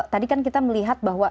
tadi kan kita melihat bahwa